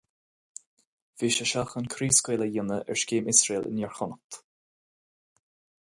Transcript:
Bhí sé seo chun craobhscaoileadh a dhéanamh ar scéim Iosrael in Iarchonnacht.